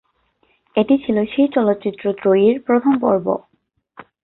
এটি ছিল সেই চলচ্চিত্র ত্রয়ীর প্রথম পর্ব।